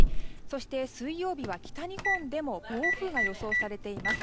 そして水曜日は北日本でも暴風が予想されています。